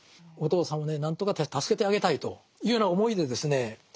お父さんをね何とか助けてあげたいというような思いでですね